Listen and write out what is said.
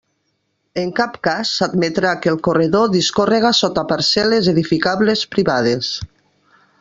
En cap cas s'admetrà que el corredor discórrega sota parcel·les edificables privades.